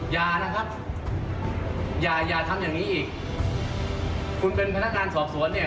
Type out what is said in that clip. อย่านะครับอย่าทำอย่างนี้อีกคุณเป็นพยพนักงานสอบสวน